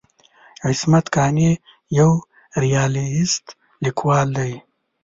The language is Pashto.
عصمت قانع یو ریالیست لیکوال دی.